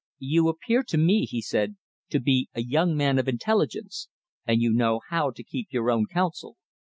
"You appear to me," he said, "to be a young man of intelligence and you know how to keep your own counsel.